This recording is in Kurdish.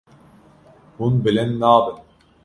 Hûn bilind nabin.